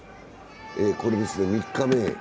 これですね、３日目。